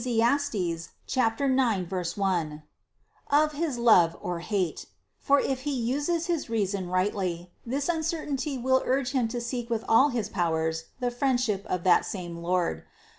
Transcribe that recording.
9, 1) of his love or 322 CITY OF GOD hate; for if he uses his reason rightly, this uncertainty will urge him to seek with all his powers the friendship of that same Lord.